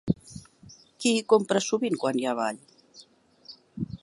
Qui hi compra sovint quan hi ha ball?